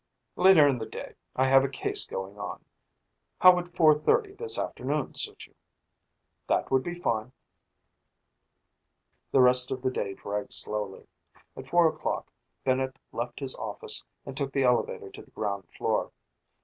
"Later in the day. I have a case going on. How would four thirty this afternoon suit you?" "That would be fine." The rest of the day dragged slowly. At four o'clock Bennett left his office and took the elevator to the ground floor.